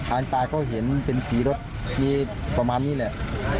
ตาก็เห็นเป็นสีรถมีประมาณนี้แหละ